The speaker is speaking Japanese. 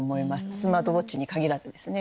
スマートウオッチに限らずですね。